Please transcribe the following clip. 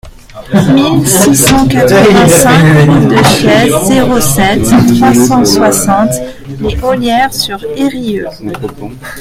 mille six cent quatre-vingt-cinq route de la Chiéze, zéro sept, trois cent soixante, Les Ollières-sur-Eyrieux